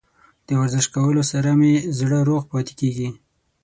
د ورزش کولو سره مې زړه روغ پاتې کیږي.